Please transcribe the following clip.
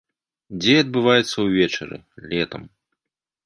Дзея адбываецца ўвечары, летам.